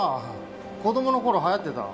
子供の頃流行ってた。